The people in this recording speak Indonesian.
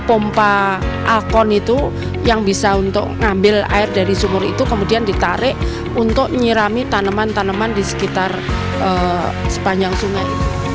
pompa alkon itu yang bisa untuk mengambil air dari sumur itu kemudian ditarik untuk nyirami tanaman tanaman di sekitar sepanjang sungai